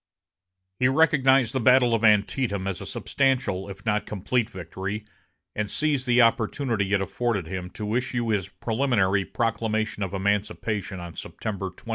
He recognized the battle of Antietam as a substantial, if not a complete victory, and seized the opportunity it afforded him to issue his preliminary proclamation of emancipation on September 22.